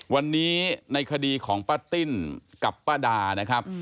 วันนี้ในคดีของป้าติ้นกับป้าดานะครับ